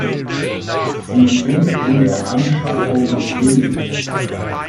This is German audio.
Sie sind in der Anschaffung billig.